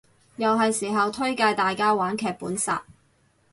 又係時候推介大家玩劇本殺